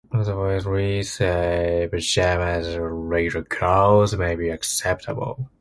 Otherwise, Lee said, pajamas or regular clothes may be acceptable.